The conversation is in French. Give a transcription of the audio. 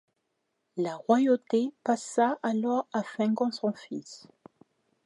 La royauté passa alors à Fingon son fils.